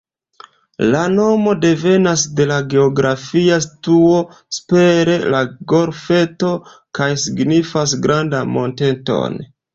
La nomo devenas de la geografia situo super la golfeto kaj signifas ""grandan monteton"".